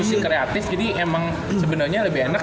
industri kreatif jadi emang sebenernya lebih enak